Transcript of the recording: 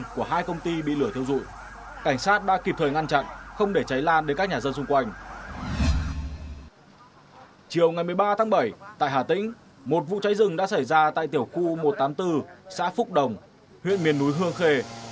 chiều ngày một mươi ba tháng bảy tại hà tĩnh một vụ cháy rừng đã xảy ra tại tiểu khu một trăm tám mươi bốn xã phúc đồng huyện miền núi hương khê